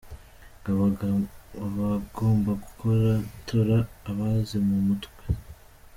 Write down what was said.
Ngo abagomba gutora abazi mu mu mutwe !